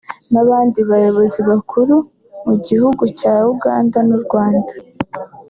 n’abandi bayobozi bakuru mu gihugu cya Uganda n’u Rwanda